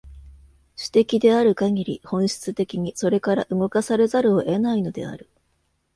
種的であるかぎり、本質的にそれから動かされざるを得ないのである。